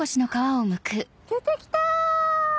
出て来た！